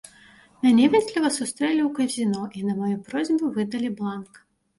Мяне ветліва сустрэлі ў казіно і на маю просьбу выдалі бланк.